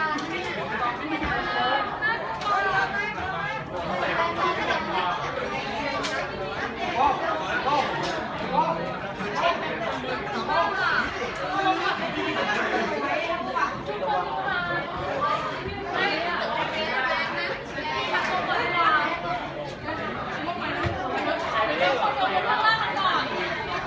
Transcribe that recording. หลังจากนี้แปรลูกสรุปแล้วผมจะขอบคุณค่ะคุณคุณคุณฉันที่แค้นหนองหาคุณแค้นลหาวที่เกี่ยวของผมและหาคุณเขาที่สุดท้ายจะรับรับลัดได้